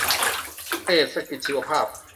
เศรษฐกิจชีวภาพ